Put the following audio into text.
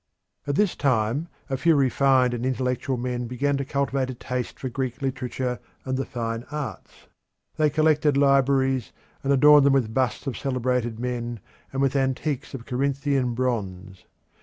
At this time a few refined and intellectual men began to cultivate a taste for Greek literature and the fine arts. They collected libraries, and adorned them with busts of celebrated men and with antiques of Corinthian bronze.